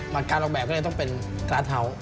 มาการรองแบบก็เลยต้องเป็นการ์ดเท้า